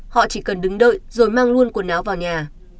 họ chỉ cần đứng đợi rồi mang luôn quần áo vào nhà